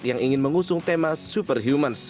yang ingin mengusung tema superhumans